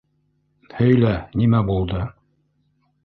Һөйлә, нимә булды?!